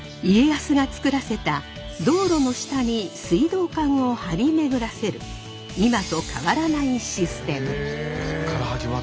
家康がつくらせた道路の下に水道管を張り巡らせる今と変わらないシステム。